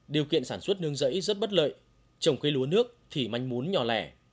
điều kiện sản xuất nương rẫy rất bất lợi trồng cây lúa nước thì manh mún nhỏ lẻ